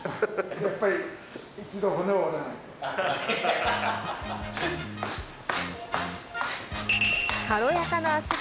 やっぱり一度骨を折らないと。